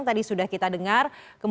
tadi sudah kita dengar